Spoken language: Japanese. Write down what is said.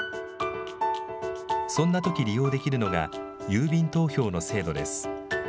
そんなとき利用できるのが、郵便投票の制度です。